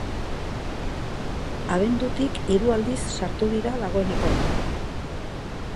Abendutik hiru aldiz sartu dira dagoeneko.